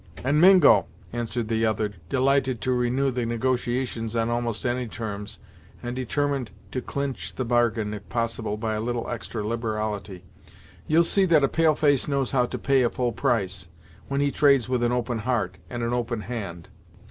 "And, Mingo," answered the other, delighted to renew the negotiations on almost any terms, and determined to clinch the bargain if possible by a little extra liberality, "you'll see that a pale face knows how to pay a full price, when he trades with an open heart, and an open hand.